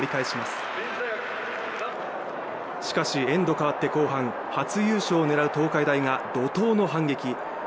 しかし、エンド変わって後半、初優勝を狙う東海が怒とうの反撃。